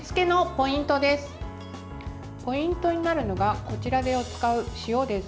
ポイントになるのがこちらで使う塩です。